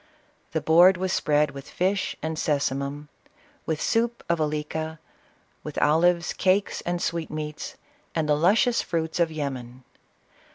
Tho board was spread with fish and scsu mum, with soup of alica, with olives, cakes and sweet meats, and the luscious fruits of Yemen.